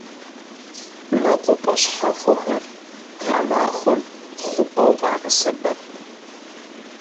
МэкъупӀэ щхьэхуэхэр гъэмахуэм хъупӀэу къагъэсэбэп.